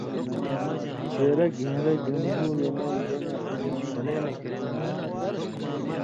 چېرہ گھېن٘رہ (جمہور امامہ) بناں تھو